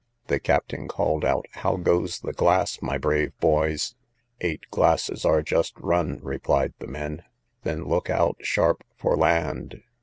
The captain called out, how goes the glass, my brave boys? Eight glasses are just run, replied the men; then look out sharp for land.